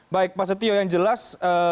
baik pak setio yang jelas